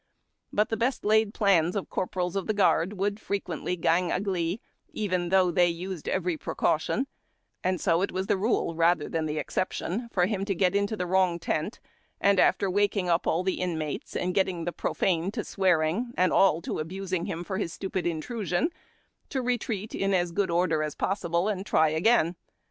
But the best laid plans of corpo rals of the guard would frequently "gang agley," even though they used every precaution, and so it was the rule rather than the exception for him to get into the wrong tent, and, after waking up all the inmates and getting the profane to swearing, and all to abusing him for his stupid intrusion, to retreat in as good order as possible and try 192 HARD TACK AND COFFEE. again.